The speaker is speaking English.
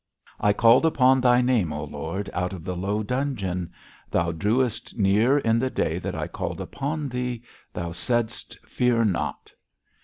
'I called upon thy name, O Lord, out of the low dungeon.' 'Thou drewest near in the day that I called upon thee: thou saidst, Fear not!'